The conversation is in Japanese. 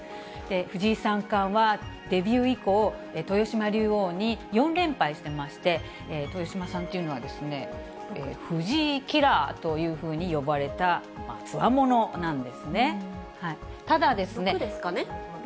藤井三冠はデビュー以降、豊島竜王に４連敗してまして、豊島さんというのは、藤井キラーというふうに呼ばれたつわものなんですね。